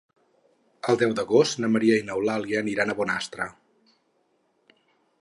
El deu d'agost na Maria i n'Eulàlia aniran a Bonastre.